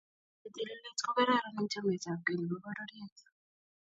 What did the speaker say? ketililit ko kararan eng chametapgei ne bo pororiet.